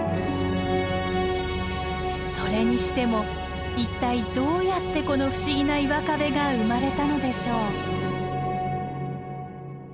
それにしても一体どうやってこの不思議な岩壁が生まれたのでしょう。